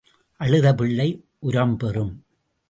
அழுத பிள்ளை உரம் பெறும்.